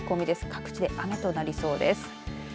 各地で雨となりそうです。